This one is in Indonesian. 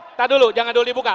kita dulu jangan dulu dibuka